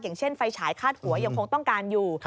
อย่างเช่นไฟฉายคาดหัวยังคงต้องการอยู่